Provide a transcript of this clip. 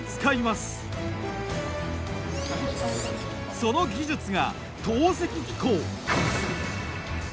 その技術が投石機構。